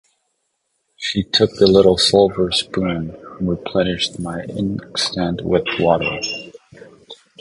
She took the little silver spoon, and replenished my inkstand with water.